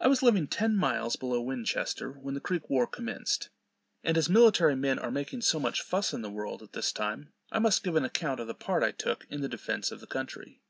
I was living ten miles below Winchester when the Creek war commenced; and as military men are making so much fuss in the world at this time, I must give an account of the part I took in the defence of the country.